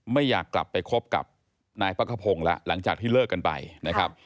ไม่อยากกลับไปคบกับนายพักขพงศ์แล้วหลังจากที่เลิกกันไปนะครับ